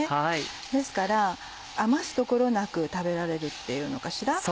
ですから余すところなく食べられるっていうのかしら。